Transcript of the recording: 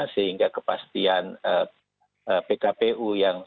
sehingga kepastian pkpu yang